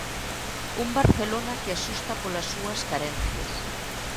Un Barcelona que asusta polas súas carencias.